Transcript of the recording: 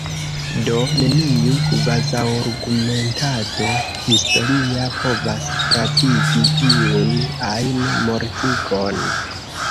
Do, neniu kvazaŭargumentado historia povas pravigi iun ajn mortigon.